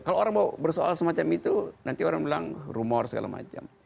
kalau orang mau bersoal semacam itu nanti orang bilang rumor segala macam